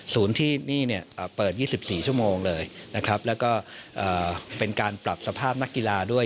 ที่นี่เนี่ยเปิด๒๔ชั่วโมงเลยนะครับแล้วก็เป็นการปรับสภาพนักกีฬาด้วย